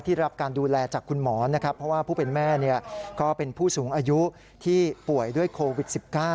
รับการดูแลจากคุณหมอนะครับเพราะว่าผู้เป็นแม่ก็เป็นผู้สูงอายุที่ป่วยด้วยโควิด๑๙